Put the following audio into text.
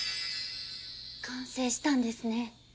完成したんですね。